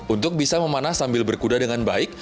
untuk bisa memanah sambil berkuda dengan baik